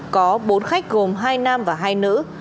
có bốn khách gồm hai nam và hai nữ